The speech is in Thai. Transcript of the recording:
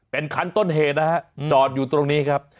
เป็นคันต้นเหตุนะฮะจอดอยู่ตรงนี้ครับ